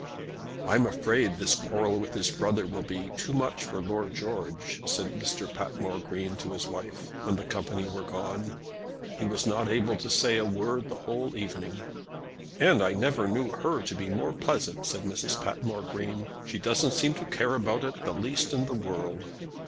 "I am afraid this quarrel with his brother will be too much for Lord George," said Mr. Patmore Green to his wife, when the company were gone. "He was not able to say a word the whole evening." "And I never knew her to be more pleasant," said Mrs. Patmore Green. "She doesn't seem to care about it the least in the world."